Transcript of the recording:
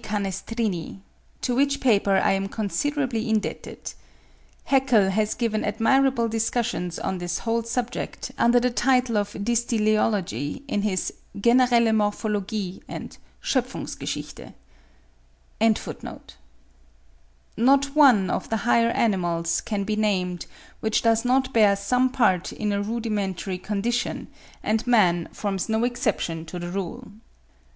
Canestrini, to which paper I am considerably indebted. Haeckel has given admirable discussions on this whole subject, under the title of Dysteleology, in his 'Generelle Morphologie' and 'Schöpfungsgeschichte.') Not one of the higher animals can be named which does not bear some part in a rudimentary condition; and man forms no exception to the rule.